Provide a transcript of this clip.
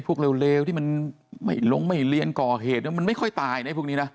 เลวที่มันไม่ลงไม่เรียนก่อเหตุมันไม่ค่อยตายนะพวกนี้นะ